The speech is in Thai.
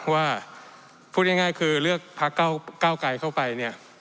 ว่าพูดง่ายคือเลือกพระเก้าไกรเข้าไป